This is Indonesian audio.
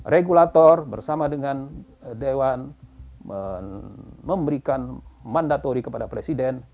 regulator bersama dengan dewan memberikan mandatori kepada presiden